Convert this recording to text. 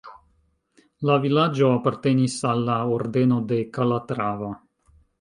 La vilaĝo apartenis al la Ordeno de Kalatrava.